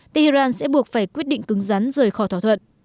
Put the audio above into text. tehran sẽ buộc phải quyết định cứng rắn rời khỏi thỏa thuận